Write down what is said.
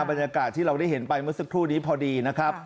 บรรยากาศที่เราได้เห็นไปเมื่อสักครู่นี้พอดีนะครับ